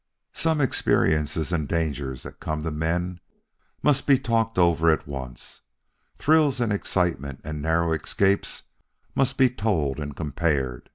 Some experiences and dangers that come to men must be talked over at once; thrills and excitement and narrow escapes must be told and compared.